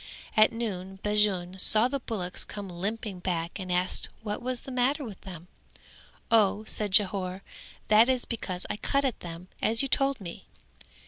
At noon Bajun saw the bullocks come limping back and asked what was the matter with them. "O," said Jhore, "that is because I cut at them as you told me."